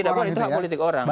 tidak boleh itu hak politik orang